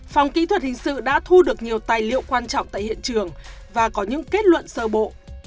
phòng kỹ thuật hình sự đã thu được nhiều tài liệu quan trọng tại hiện trường và có những kết luận sơ bộ